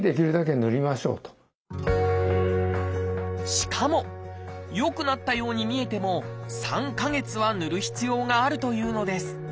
しかも良くなったように見えても３か月はぬる必要があるというのです。